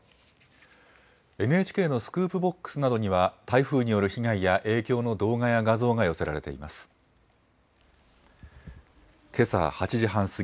ＮＨＫのスクープボックスなどには、台風による被害や影響の動画や画像が寄せられています。